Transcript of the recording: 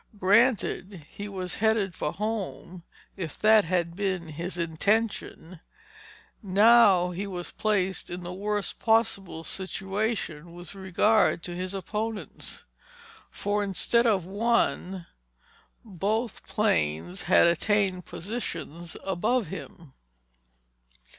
Granted he was headed for home, if that had been his intention; now he was placed in the worst possible situation with regard to his opponents. For instead of one, both planes had attained positions above him.